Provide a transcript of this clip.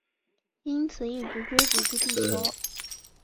因此一直追捕至地球。